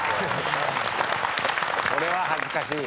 これは恥ずかしい。